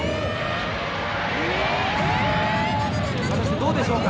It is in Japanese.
どうでしょうか。